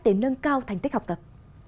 để nâng cao thành tích học tập